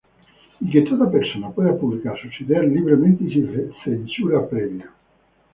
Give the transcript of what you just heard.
Y que toda persona pueda publicar sus ideas libremente y sin censura previa.